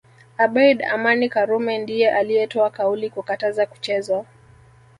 Abeid Amani Karume ndiye aliyetoa kauli kukataza kuchezwa